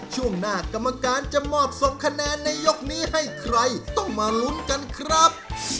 ช่วงหน้ากรรมการจะมอบส่งคะแนนในยกนี้ให้ใครต้องมาลุ้นกันครับ